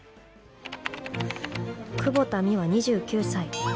久保田ミワ、２９歳。